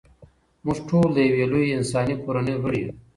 موږ ټول د یوې لویې انساني کورنۍ غړي یو.